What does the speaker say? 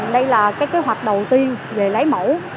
đây là kế hoạch đầu tiên về lấy mẫu